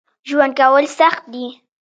ژوند کول سخت دي